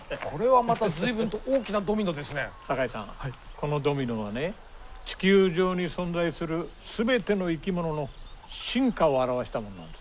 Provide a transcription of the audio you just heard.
このドミノはね地球上に存在する全ての生き物の進化を表したものなんです。